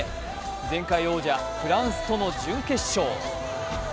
前回王者・フランスとの準決勝。